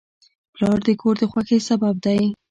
پلار د کور د خوښۍ سبب دی.